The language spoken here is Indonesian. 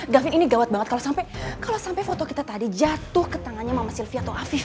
david ini gawat banget kalau sampai foto kita tadi jatuh ke tangannya mama sylvia atau afif